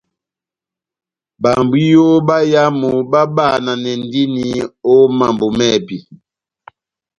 Bambwiyo báyámu babahananɛndini ó mambo mɛ́hɛpi.